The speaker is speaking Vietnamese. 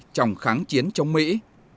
trong kháng chiến chống dịch